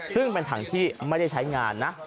ซึ่งเป็นถังที่ไม่ได้ใช้งานนะ